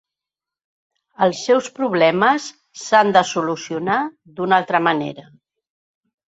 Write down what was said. Els seus problemes s’han de solucionar d’una altra manera.